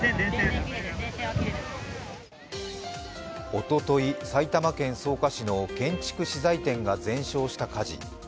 おととい、埼玉県草加市の建築資材店が全焼した火事。